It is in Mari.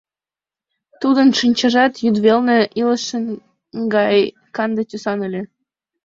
Тудын шинчажат йӱдвелне илышын гай канде тӱсан ыле.